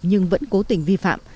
nhưng vẫn cố tình vi phạm